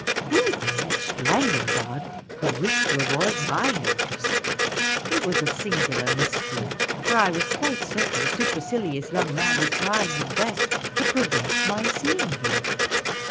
Who, then, at Schlangenbad could wish to avoid my notice ? It was a singular mystery ; for I was quite certain the supercilious j'oung man was trying his best to prevent my seeing him.